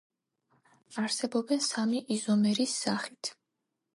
არსებობენ სამი იზომერის სახით.